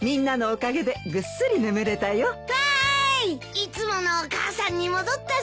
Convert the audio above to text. いつものお母さんに戻ったぞ！